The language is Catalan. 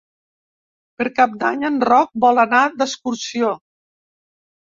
Per Cap d'Any en Roc vol anar d'excursió.